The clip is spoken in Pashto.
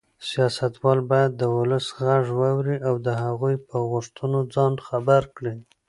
سیاستوال باید د ولس غږ واوري او د هغوی په غوښتنو ځان خبر کړي.